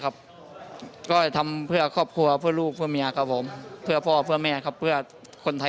keduanya memiliki ambisi yang besar untuk mencatatkan nama mereka sebagai juara dunia muay thai